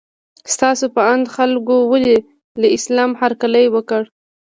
ستاسو په اند خلکو ولې له اسلام هرکلی وکړ؟